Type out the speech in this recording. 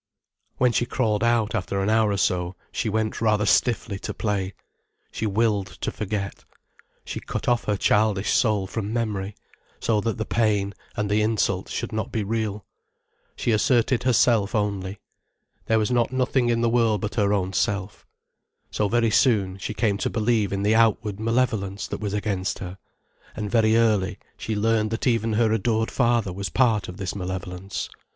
When she crawled out, after an hour or so, she went rather stiffly to play. She willed to forget. She cut off her childish soul from memory, so that the pain, and the insult should not be real. She asserted herself only. There was not nothing in the world but her own self. So very soon, she came to believe in the outward malevolence that was against her. And very early, she learned that even her adored father was part of this malevolence.